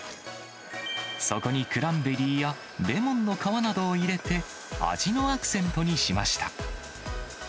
そこにクランベリーやレモンの皮などを入れて、味のアクセントにしました。